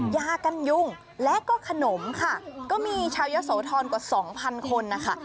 ยากันยุงและก็ขนมค่ะก็มีชาวยะโสธรกว่าสองพันคนนะคะ